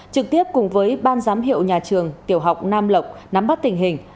trực tiếp cùng với ban giám hiệu nhà trường tiểu học nam lộc nắm bắt tình hình